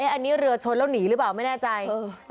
อันนี้เรือชนแล้วหนีหรือเปล่าไม่แน่ใจ